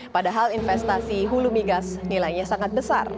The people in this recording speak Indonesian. padahal investasi hulu migas nilainya sangat besar